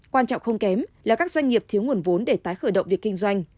quan trọng không kém là các doanh nghiệp thiếu nguồn vốn để tái khởi động việc kinh doanh